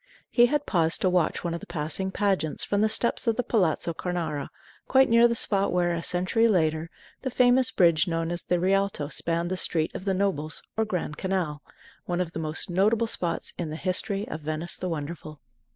He had paused to watch one of the passing pageants from the steps of the Palazzo Cornaro, quite near the spot where, a century later, the famous bridge known as the Rialto spanned the Street of the Nobles, or Grand Canal one of the most notable spots in the history of Venice the Wonderful.